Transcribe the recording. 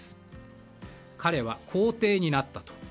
彼は皇帝になったと。